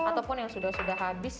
ataupun yang sudah habis